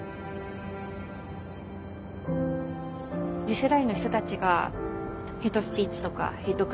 次世代の人たちがヘイトスピーチとかヘイト